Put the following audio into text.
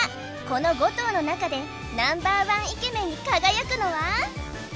この５頭の中でＮｏ．１イケメンに輝くのは？